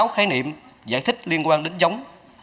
hai mươi sáu khái niệm giải thích liên quan đến giống